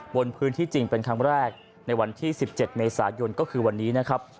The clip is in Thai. บนพื้นที่จริงเป็นครั้งแรกในวันที่๑๗เมษายนก็คือวันนี้นะครับ